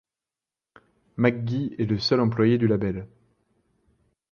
McGee est le seul employé du label.